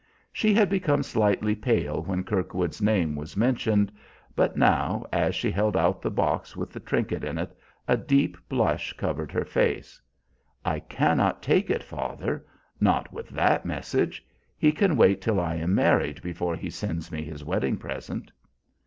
She had become slightly pale when Kirkwood's name was mentioned, but now, as she held out the box with the trinket in it, a deep blush covered her face. "I cannot take it, father. Not with that message. He can wait till I am married before he sends me his wedding present."